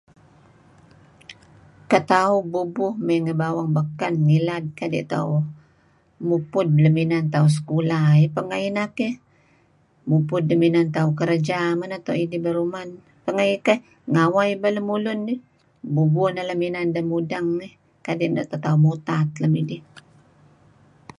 Ketauh bubuh mey ngi bawang beken ngilad kadi' tauh mupud lem inan tauh sekulah eh, pengah ineh keh mupud lem inan tauh kerja meto' idih beruh men, pengah ineh keh ngaweh ibal lemulun eh bubuh neh lem inan deh nudeng eh kadi' neto' tauh mutat lem idih.